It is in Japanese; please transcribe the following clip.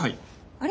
あれ？